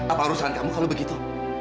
apa urusan kamu kalau begitu